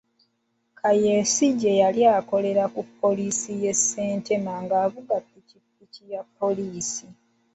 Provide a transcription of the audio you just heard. Ayesigye yali akolera ku poliisi y'e Seeta ng'avuga Pikipiki ya poliisi.